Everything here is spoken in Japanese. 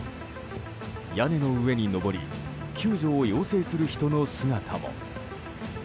屋根の上に登り救助を要請する人の姿も。